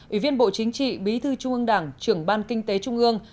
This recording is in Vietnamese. ủy viên bộ chính trị bí thư trung ương đảng trưởng ban kinh tế trung ương